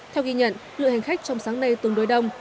theo ghi nhận lượng hành khách trong sáng nay tương đối đông